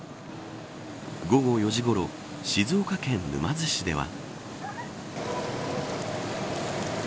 午後４時ごろ静岡県沼津市では。